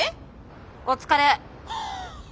お疲れ！